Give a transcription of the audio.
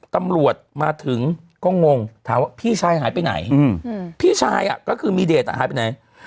ตำรวจมาถึงก็งงถามว่าพี่ชายหายไปไหนพี่ชายก็คือมีเดชหายไปไหน